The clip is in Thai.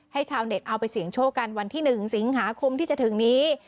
ชาวเน็ตเอาไปเสี่ยงโชคกันวันที่๑สิงหาคมที่จะถึงนี้